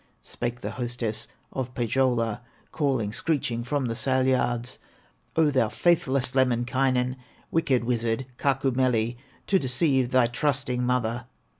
Spake the hostess of Pohyola, Calling, screeching, from the sail yards: "O thou faithless Lemminkainen, Wicked wizard, Kaukomieli, To deceive thy trusting mother!